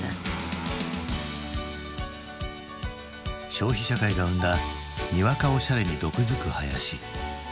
消費社会が生んだにわかおしゃれに毒づく林。